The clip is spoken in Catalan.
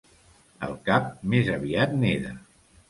El cap més aviat neda.